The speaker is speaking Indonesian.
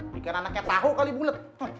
bikin anaknya tahu kali bulet